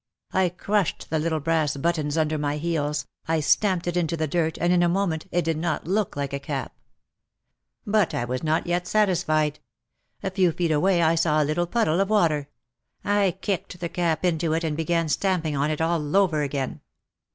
I crushed the little brass buttons under my heels, I stamped it into the dirt and in a moment it did not look like a cap. But I was not yet satisfied. A few feet away I saw a little puddle of water. I kicked the cap into it and began stamping on it all over again.